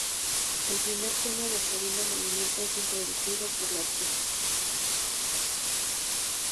El primer tema del segundo movimiento es introducido por la orquesta.